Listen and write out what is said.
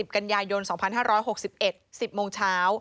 กันยายน๒๕๖๑๑๐โมงเช้า